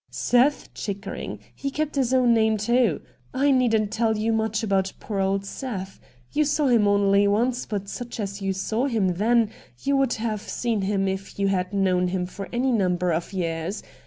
' Seth Chickering — he kept his own name too. I needn't tell you much about poor old Seth. You saw him only once, but such as you saw him then you would have seen him if you had known him for any number of years.